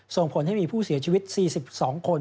ส่งผลให้มีผู้เสียชีวิต๔๒คน